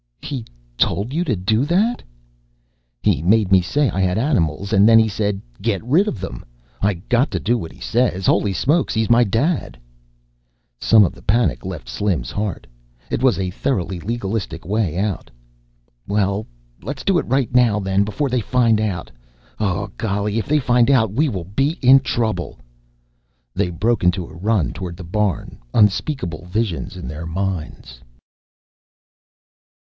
"He told you to do that." "He made me say I had animals and then he said, 'Get rid of them.' I got to do what he says. Holy Smokes, he's my Dad." Some of the panic left Slim's heart. It was a thoroughly legalistic way out. "Well, let's do it right now, then, before they find out. Oh, golly, if they find out, will we be in trouble!" They broke into a run toward the barn, unspeakable visions in their minds.